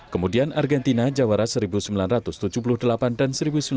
kemudian argentina jawara seribu sembilan ratus tujuh puluh delapan dan seribu sembilan ratus sembilan puluh